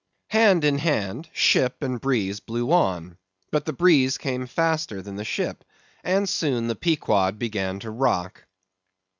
Hand in hand, ship and breeze blew on; but the breeze came faster than the ship, and soon the Pequod began to rock.